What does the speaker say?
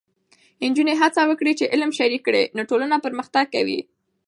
نجونې هڅه وکړي چې علم شریک کړي، نو ټولنه پرمختګ کوي.